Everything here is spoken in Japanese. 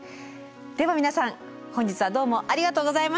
では皆さん本日はどうもありがとうございました。